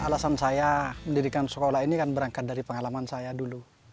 alasan saya mendirikan sekolah ini kan berangkat dari pengalaman saya dulu